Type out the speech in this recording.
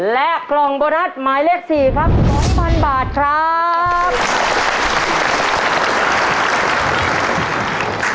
และกล่องโบนัสหมายเลข๔ครับ๒๐๐๐บาทครับ